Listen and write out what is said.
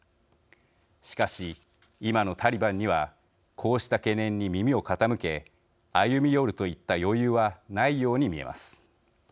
しかし、今のタリバンにはこうした懸念に耳を傾け歩み寄るといった余裕はないように見えます。